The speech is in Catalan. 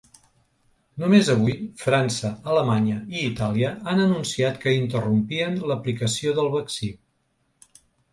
Només avui França, Alemanya i Itàlia han anunciat que interrompien l’aplicació del vaccí.